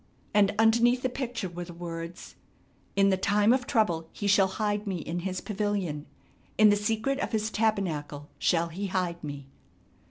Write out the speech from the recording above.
And underneath the picture were the words: "'In the time of trouble He shall hide me in His pavilion; in the secret of his tabernacle shall he hide me.'